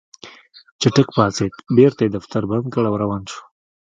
چټک پاڅېد بېرته يې دفتر بند کړ او روان شو.